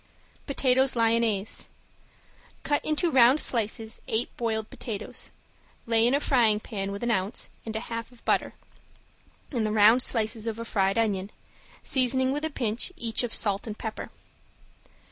~POTATOES LYONNAISE~ Cut into round slices eight boiled potatoes, lay in a frying pan with an ounce and a half of butter and the round slices of a fried onion, seasoning with a pinch each of salt and pepper.